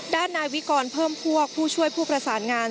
ด้านนายวิกรเพิ่มพวกผู้ช่วยผู้ประสานงาน